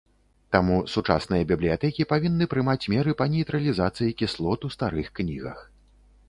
Таму сучасныя бібліятэкі павінны прымаць меры па нейтралізацыі кіслот у старых кнігах.